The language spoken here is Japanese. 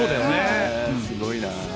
すごいな。